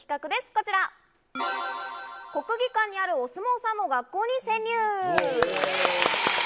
こちら、国技館にあるお相撲さんの学校に潜入！